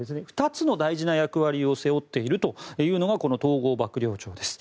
２つの大事な役割を背負っているというのがこの統合幕僚長です。